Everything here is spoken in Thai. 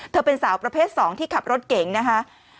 เป็นสาวประเภท๒ที่ขับรถเก๋งนะคะ